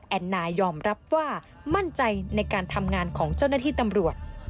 แอนนายอมรับว่ามั่นใจในการทำงานของเจ้าหน้าที่ตำรวจ